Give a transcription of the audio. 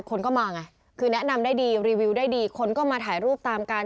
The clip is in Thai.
คนก็มาไงคือแนะนำได้ดีรีวิวได้ดีคนก็มาถ่ายรูปตามกัน